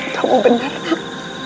kamu benar nak